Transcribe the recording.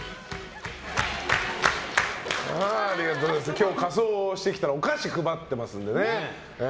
今日は仮装してきたらお菓子配ってますのでね。